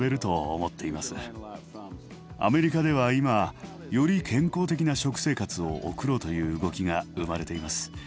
アメリカでは今より健康的な食生活を送ろうという動きが生まれています。